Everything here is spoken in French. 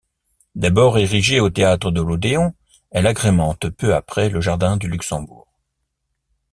D’abord érigée au théâtre de l’Odéon, elle agrémente peu après le jardin du Luxembourg.